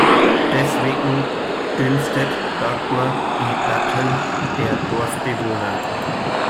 Deswegen dünstet Dagmar die Datteln der Dorfbewohner.